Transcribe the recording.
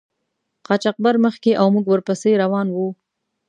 قاچاقبر مخکې او موږ ور پسې روان وو.